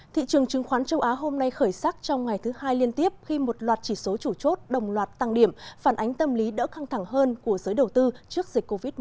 thị trường chứng khoán châu á hôm nay khởi sắc trong ngày thứ hai liên tiếp khi một loạt chỉ số chủ chốt đồng loạt tăng điểm phản ánh tâm lý đỡ khăng thẳng hơn của giới đầu tư trước dịch covid một mươi chín